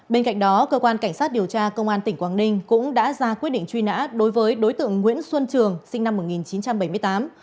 bên cạnh đó cơ quan cảnh sát điều tra công an tỉnh quảng ninh cũng đã ra quyết định truy nã đối với đối tượng nguyễn xuân trường sinh năm một nghìn chín trăm bảy mươi tám